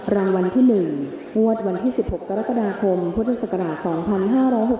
รางวัลที่๑งวดวันที่๑๖กรกฎาคมพุทธศักราช๒๕๖๖